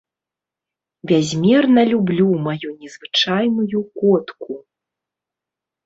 Бязмерна люблю маю незвычайную котку.